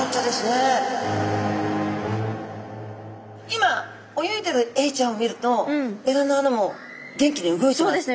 今泳いでるエイちゃんを見るとエラの穴も元気に動いてます。